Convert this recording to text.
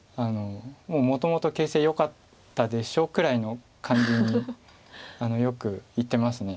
「もうもともと形勢よかったでしょ」くらいの感じによく言ってます。